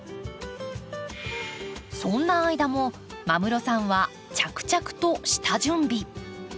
そんな間も間室さんは着々と下準備。